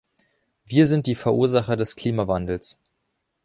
Wir sind die Verursacher des Klimawandels.